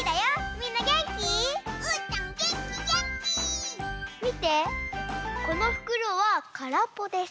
みてこのふくろはからっぽです。